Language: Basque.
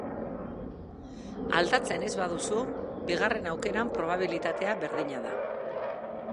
Aldatzen ez baduzu, bigarren aukeran probabilitatea berdina da.